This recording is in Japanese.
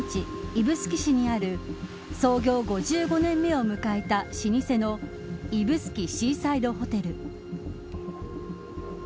指宿市にある創業５５年目を迎えた老舗の指宿シーサイドホテル。